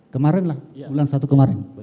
kemarin lah bulan satu kemarin